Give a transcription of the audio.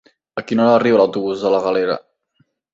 A quina hora arriba l'autobús de la Galera?